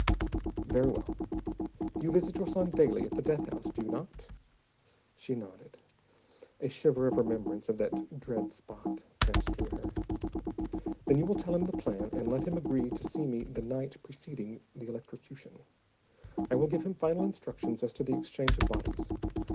"Very well. You visit your son daily at the death house, do you not?" She nodded; a shiver of remembrance of that dread spot passed through her. "Then you will tell him the plan and let him agree to see me the night preceding the electrocution. I will give him final instructions as to the exchange of bodies.